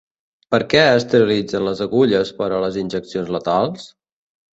Per què esterilitzen les agulles per a les injeccions letals?